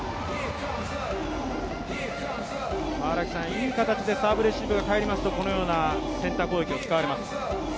いい形でサーブレシーブが返りますと、このようなセンター攻撃が使われます。